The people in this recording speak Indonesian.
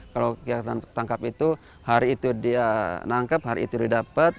kalau kegiatan tangkap itu hari itu dia nangkep hari itu didapat